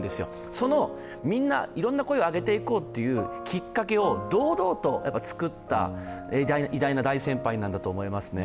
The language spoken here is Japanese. そのみんな、いろんな声を上げていこうというきっかけを堂々と作った偉大な大先輩なんだと思いますね。